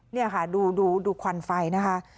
นี่ค่ะดูควันไฟนะคะ